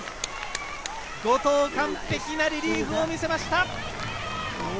後藤、完璧なリリーフを見せました。